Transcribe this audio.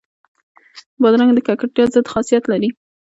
بادرنګ د ککړتیا ضد خاصیت لري.